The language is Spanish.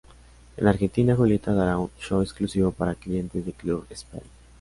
En Argentina, Julieta dará un show exclusivo para clientes de Club Speedy.